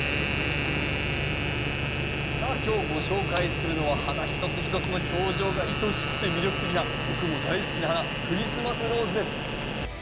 さあ今日ご紹介するのは花一つ一つの表情がいとしくて魅力的な僕も大好きな花クリスマスローズです。